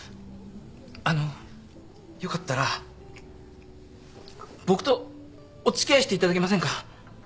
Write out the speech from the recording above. あのよかったら僕とお付き合いしていただけませんか？